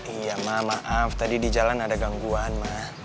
iya ma maaf tadi di jalan ada gangguan ma